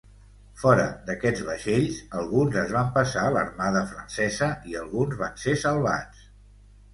Fora d'aquests vaixells, alguns es van passar a l'Armada francesa i alguns van ser salvats.